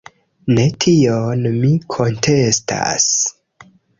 Ne tion mi kontestas.